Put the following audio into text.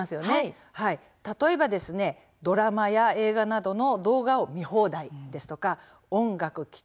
例えばドラマや映画などの動画を見放題ですとか音楽聴き